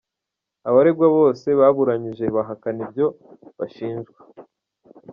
Abaregwa bose baburanye bahakana ibyo bashinjwa.